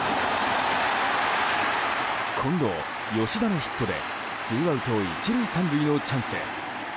近藤、吉田のヒットでツーアウト１塁３塁のチャンス。